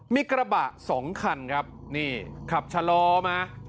มีกระบะสองคันครับนี่ขับชะลอมา